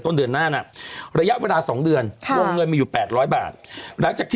ต้นเดือนหน้าแนะ